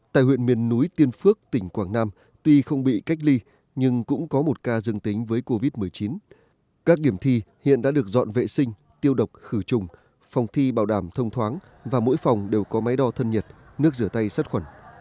tại huyện miền núi tiên phước tỉnh quảng nam tuy không bị cách ly nhưng cũng có một ca dương tính với covid một mươi chín các điểm thi hiện đã được dọn vệ sinh tiêu độc khử trùng phòng thi bảo đảm thông thoáng và mỗi phòng đều có máy đo thân nhiệt nước rửa tay sát khuẩn